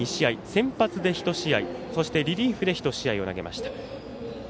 先発で１試合リリーフで１試合を投げました。